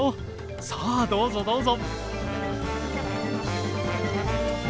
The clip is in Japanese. さあどうぞどうぞ。